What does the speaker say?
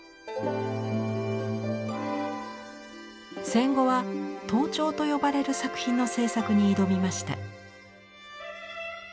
戦後は「陶彫」と呼ばれる作品の制作に挑みました。